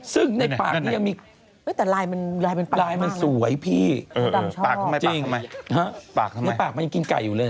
ซึ่งในปากนี้ยังมีลายมันสวยพี่จริงนะฮะในปากมันยังกินไก่อยู่เลย